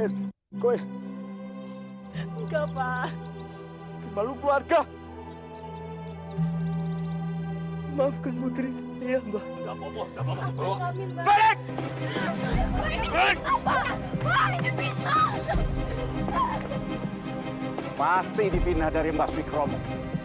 tidak tukijo tidak percaya pada aku bu